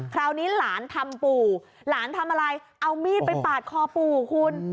คราวนี้หลานทำปู่หลานทำอะไรเอามีดไปปาดคอปู่คุณ